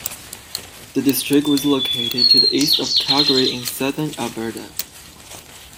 The district was located to the east of Calgary in southern Alberta.